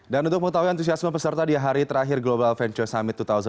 dan untuk mengetahui antusiasme peserta di hari terakhir global venture summit dua ribu sembilan belas